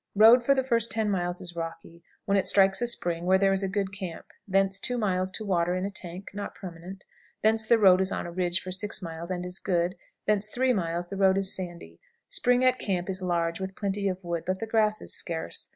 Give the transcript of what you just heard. Road for the first ten miles is rocky, when it strikes a spring, where there is a good camp; thence 2 miles to water in a tank, not permanent; thence the road is on a ridge for 6 miles, and is good; thence 3 miles the road is sandy. The spring at camp is large, with plenty of wood, but the grass is scarce.